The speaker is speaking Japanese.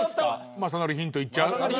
まさのりヒントいっちゃう？